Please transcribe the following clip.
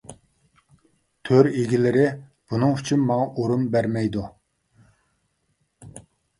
تۆر ئىگىلىرى بۇنىڭ ئۈچۈن ماڭا ئورۇن بەرمەيدۇ.